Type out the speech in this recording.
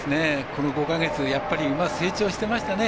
この５か月馬、成長してますね。